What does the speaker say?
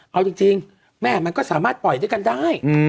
เอาจริงแม่มันก็สามารถปล่อยด้วยกันได้